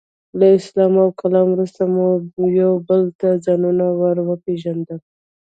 له سلام او کلام وروسته مو یو بل ته ځانونه ور وپېژندل.